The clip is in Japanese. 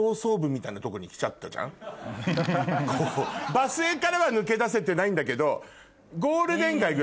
場末からは抜け出せてないんだけど。